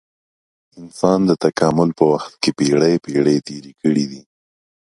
انسان د تکامل په وخت کې پېړۍ پېړۍ تېرې کړې دي.